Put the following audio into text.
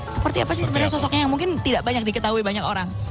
seperti apa sih sebenarnya sosoknya yang mungkin tidak banyak diketahui banyak orang